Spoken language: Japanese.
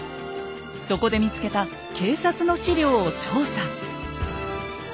そこで見つけた警察の資料を調査。